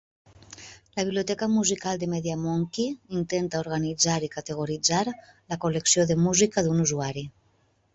La biblioteca musical de MediaMonkey intenta organitzar i categoritzar la col·lecció de música d'un usuari.